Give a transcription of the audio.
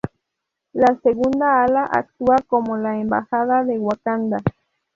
La segunda ala actúa como la Embajada de Wakanda.